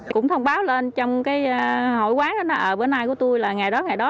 cũng thông báo lên trong cái hội quán đó bữa nay của tôi là ngày đó ngày đó